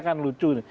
yang lucu ini